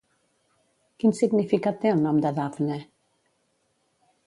Quin significat té el nom de Dafne?